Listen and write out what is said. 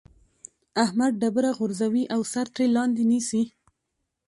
احمد ډبره غورځوي او سر ترې لاندې نيسي.